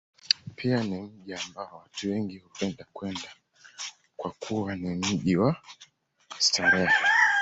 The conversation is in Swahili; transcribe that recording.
Pia ni mji ambao watu wengi hupenda kwenda, kwa kuwa ni mji wa starehe.